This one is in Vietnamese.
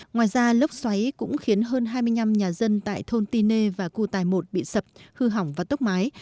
ngoài ra lốc xoáy cũng khiến hơn hai mươi năm nhà dân tại thôn tine và khu tài một bị sập hư hỏng và tốc mái